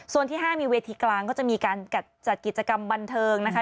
ส่วนที่๕มีเวทีกลางก็จะมีการจัดกิจกรรมบันเทิงนะคะ